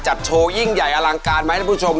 จัดโชว์ยิ่งใหญ่อลังการไหมท่านผู้ชม